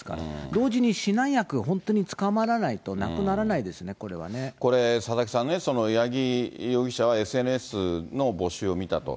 同時に指南役、本当に捕まらないと、なくならないですね、これはね。これ、佐々木さんね、八木容疑者はＳＮＳの募集を見たと。